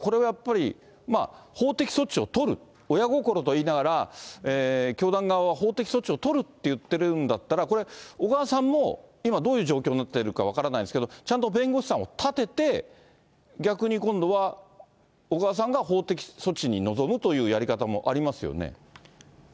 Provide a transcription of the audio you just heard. これも小川さんからしたら、これはやっぱり、法的措置を取る、親心といいながら教団側は法的措置を取るって言ってるんだったら、これ、小川さんも今、どういう状況になってるか分からないですけど、ちゃんと弁護士さんを立てて、逆に今度は、小川さんが法的措置に臨むというやり方もありますよね。